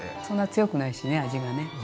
そんな強くないしね味がね。